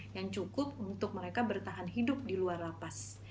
yang cukup untuk mereka bertahan hidup di luar lapas